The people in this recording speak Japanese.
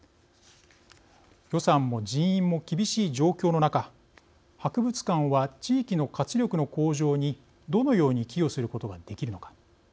予算も人員も厳しい状況の中博物館は地域の活力の向上にどのように寄与することができるのか。